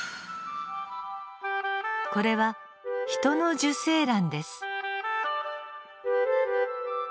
これはヒトの受精卵です。